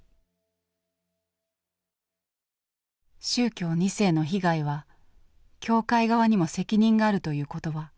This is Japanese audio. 宗教２世の被害は教会側にも責任があるという言葉。